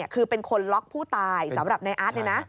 คือเป็นคนล็อกผู้ตายสำหรับนายอาร์ต